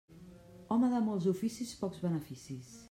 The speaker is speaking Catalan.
Home de molts oficis, pocs beneficis.